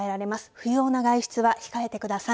不要な外出は控えてください。